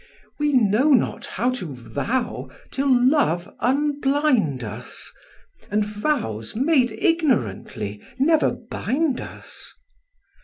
We know not how to vow till love unblind us, And vows made ignorantly nerver bind us.